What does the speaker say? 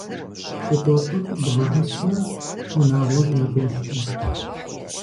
ЛъхукъуэлӀыр бгъаӀэсмэ, унагъуэр яфӀещтэ.